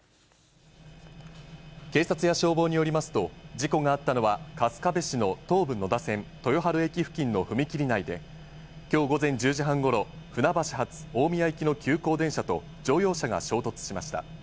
警察や消防によりますと、事故があったのは、春日部市の東武野田線豊春駅付近の踏切内で、きょう午前１０時半ごろ、船橋発大宮行きの急行電車と乗用車が衝突しました。